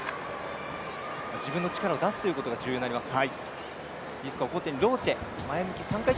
自分の力を出すということが重要となります。